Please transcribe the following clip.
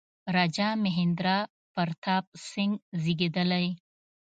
راجا مهیندرا پراتاپ سینګه زېږېدلی.